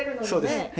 そうです。